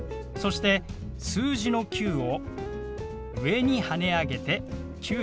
そして数字の「９」を上にはね上げて「９００」。